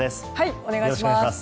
お願いします。